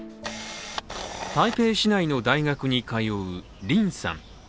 台北市内の大学に通う林さん。